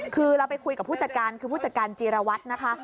คือเราไปคุยกับผู้จัดการคือผู้จัดการจีรวัตรนะคะ